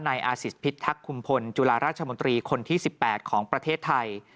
อาศิษพิทักษุมพลจุฬาราชมนตรีคนที่๑๘ของประเทศไทย